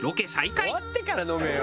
「終わってから飲めよ」